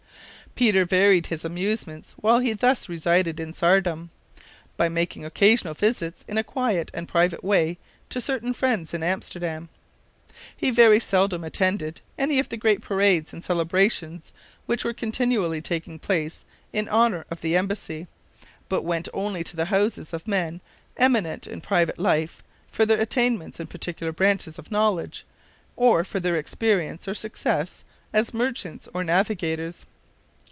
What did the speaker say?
Peter varied his amusements, while he thus resided in Saardam, by making occasional visits in a quiet and private way to certain friends in Amsterdam. He very seldom attended any of the great parades and celebrations which were continually taking place in honor of the embassy, but went only to the houses of men eminent in private life for their attainments in particular branches of knowledge, or for their experience or success as merchants or navigators.